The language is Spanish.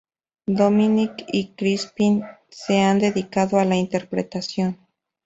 Dominic y Crispin se han dedicado a la interpretación.